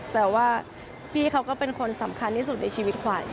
แต่ว่าพี่เขาก็เป็นคนสำคัญที่สุดในชีวิตขวัญ